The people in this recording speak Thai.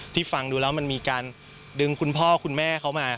ฟังดูแล้วมันมีการดึงคุณพ่อคุณแม่เขามา